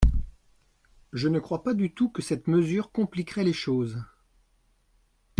Je ne crois pas du tout que cette mesure compliquerait les choses.